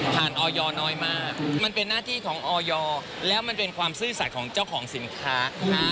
ออยน้อยมากมันเป็นหน้าที่ของออยแล้วมันเป็นความซื่อสัตว์ของเจ้าของสินค้า